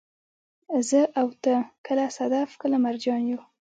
زه او ته، کله صدف، کله مرجان يو